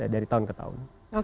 dari tahun ke tahun